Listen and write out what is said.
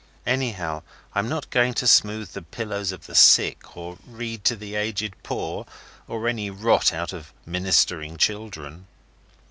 Anyhow I'm not going to smooth the pillows of the sick, or read to the aged poor, or any rot out of Ministering Children.